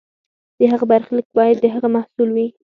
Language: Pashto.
د هغه برخلیک باید د هغه محصول وي.